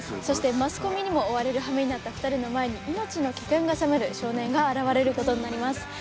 そしてマスコミにも追われる羽目になった２人の前に命の危険が迫る少年が現れることになります。